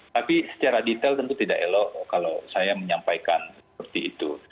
tapi secara detail tentu tidak elok kalau saya menyampaikan seperti itu